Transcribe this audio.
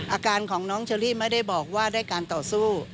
อาการของน้องเชอรี่ไม่ได้บอกว่าด้วยการต่อสู้